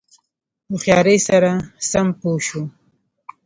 هوښیاری سره سم پوه شو.